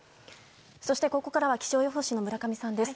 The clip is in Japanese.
そして、ここからは気象予報士の村上さんです。